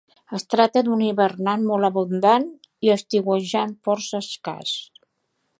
Es tracta d'un hivernant molt abundant i estiuejant força escàs.